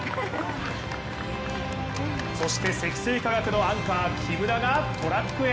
そして積水化学のアンカー、木村がトラックへ。